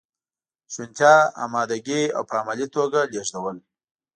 شونتیا، امادګي او په عملي توګه لیږدول.